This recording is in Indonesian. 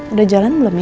udah jalan belum ya